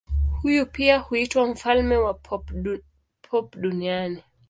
Huyu pia huitwa mfalme wa pop duniani.